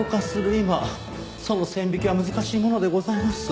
今その線引きは難しいものでございます。